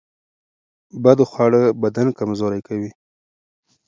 بد خواړه بدن کمزوری کوي.